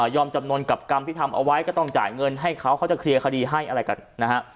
จำนวนกับกรรมที่ทำเอาไว้ก็ต้องจ่ายเงินให้เขาเขาจะเคลียร์คดีให้อะไรกันนะฮะ